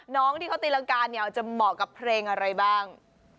น้องที่เขาตีรังกาเนี่ยจะเหมาะกับเพลงอะไรบ้าง